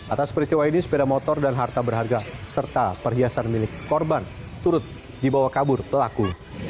atas peristiwa ini sepeda motor dan harta berharga serta perhiasan milik korban turut dibawa kabur pelaku